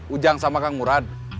ujang sama kang murad